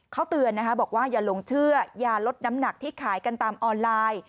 เขาเตือนนะคะบอกว่าอย่าหลงเชื่ออย่าลดน้ำหนักที่ขายกันตามออนไลน์